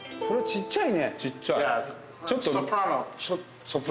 ちっちゃい。